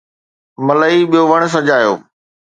ملئي ٻيو وڻ سجايو